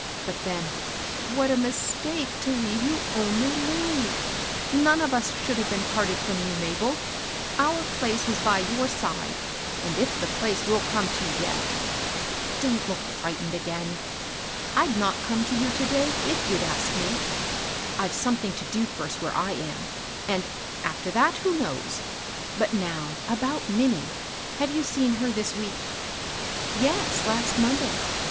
But then, what a mistake to leave you only Lilly I None of us should have been parted from you, Mabel. Our place was by your side, and it's the place we'll come to yet. Don't look frightened again. I'd not come to you to day, if you'd ask me. I've something to do first where I am, and, after that, — who knows ? And now about Min nie. Have you seen her this week ?" 34 MABEL ROSS. " Yes, last Monday.